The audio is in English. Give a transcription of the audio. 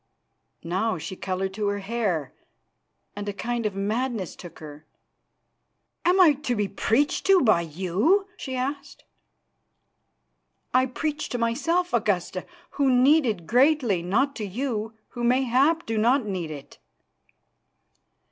Now she coloured to her hair, and a kind of madness took her. "Am I to be preached to by you?" she asked. "I preach to myself, Augusta, who need it greatly, not to you, who mayhap do not need it."